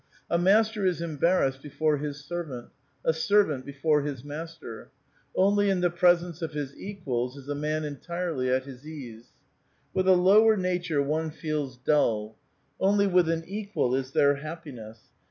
A master is embarrassed before his servant ; a servant before his master. Only in the pres ence of his equals is a man entirely at his ease. With a lower nature one feels dull ; only with an equal is there hap piness.